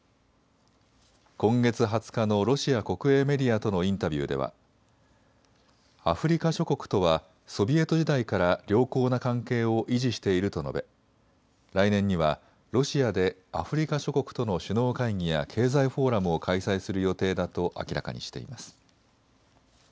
今月２０日のロシア国営メディアとのインタビューではアフリカ諸国とはソビエト時代から良好な関係を維持していると述べ来年にはロシアでアフリカ諸国との首脳会議や経済フォーラムを開催する予定だと明らかにしています。